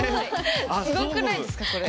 すごくないですかこれ。